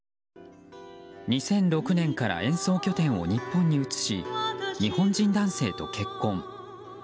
２００６年から演奏拠点を日本に移し日本人男性と結婚。